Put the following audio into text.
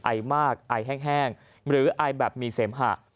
ไอมากไอแห้งหรือไอแบบมีเสมหะ